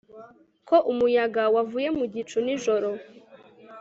ko umuyaga wavuye mu gicu nijoro